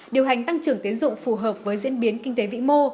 điều hành tăng trưởng tiến dụng phù hợp với diễn biến kinh tế vĩ mô